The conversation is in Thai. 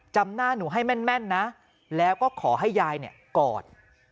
จำหน้าหนูให้แม่นนะแล้วก็ขอให้ยายกอด